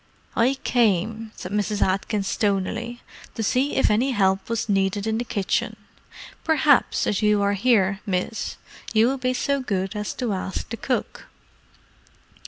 "I came," said Mrs. Atkins stonily, "to see if any help was needed in the kitchen. Perhaps, as you are here, miss, you would be so good as to ask the cook?"